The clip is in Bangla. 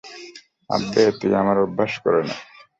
আব্বে, তুই আমার অভ্যাস করে নে!